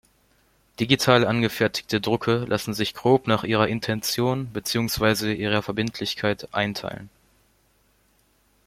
Digital angefertigte Drucke lassen sich grob nach ihrer Intention beziehungsweise ihrer Verbindlichkeit einteilen.